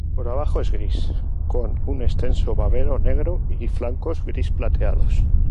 Por abajo es gris, con un extenso babero negro y flancos gris-plateados.